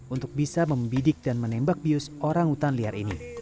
untuk bisa membidik dan menembak bius orang hutan liar ini